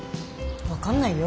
分かんないよ